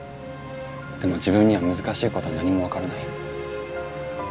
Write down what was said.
でも自分には難しいことは何も分からない。